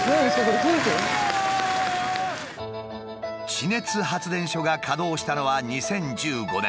地熱発電所が稼働したのは２０１５年。